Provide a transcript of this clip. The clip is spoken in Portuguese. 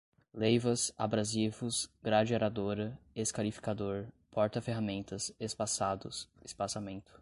leivas, abrasivos, grade aradora, escarificador, porta-ferramentas, espaçados, espaçamento